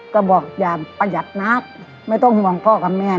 ก็บอกอย่าประหยัดนักไม่ต้องห่วงพ่อกับแม่